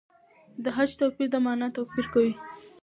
د خج توپیر د مانا توپیر کوي.